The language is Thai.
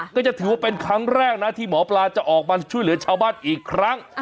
ก็จะถือว่าเป็นครั้งแรกนะที่หมอปลาจะออกมาช่วยเหลือชาวบ้านอีกครั้ง